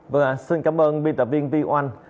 vâng ạ xin cảm ơn biên tập viên vy oanh